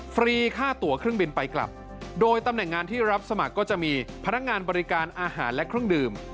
ฟรีค่าตัวเครื่องบินไปกลับโดยตำแหน่งงานที่รับสมัครก็จะมีพนักงานบริการอาหารและเครื่องดื่ม